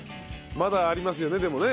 まだありますよねでもね。